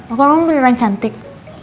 aku emang beneran cantik